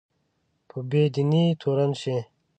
په بې دینۍ تورن شي